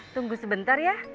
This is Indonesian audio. tunggu sebentar ya